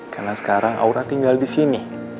karena sekarang aura tinggal di sini